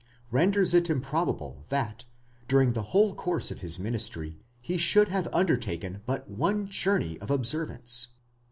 renders it improbable that, during the whole course of his ministry, he should have undertaken but one journey of observance.